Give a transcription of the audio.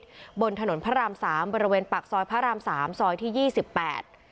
บนถนนพระรามสามบริเวณปากซอยพระรามสามซอยที่ยี่สิบแปด